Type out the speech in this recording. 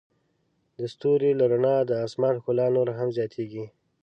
د ستوري له رڼا د آسمان ښکلا نوره هم زیاتیږي.